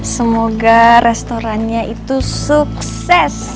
semoga restorannya itu sukses